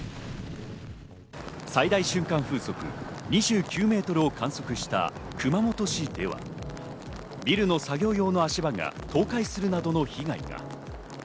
最大瞬間風速２９メートルを観測した熊本市では、ビルの作業用の足場が倒壊するなどの被害が。